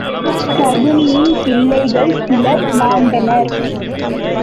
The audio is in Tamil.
சகுனியின் பிள்ளைகள் சிலர் மாண்டனர்.